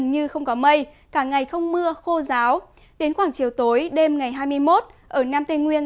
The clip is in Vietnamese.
nhưng không có mây cả ngày không mưa khô giáo đến khoảng chiều tối đêm ngày hai mươi một ở nam tây nguyên